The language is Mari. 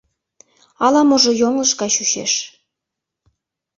Ала-можо йоҥылыш гай чучеш...